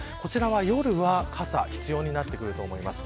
夜は傘が必要になってくると思います。